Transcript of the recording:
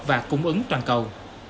và cung ứng toàn cầu